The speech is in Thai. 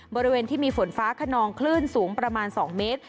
บริเวณที่มีฝนฟ้าขนองคลื่นสูงประมาณ๒เมตร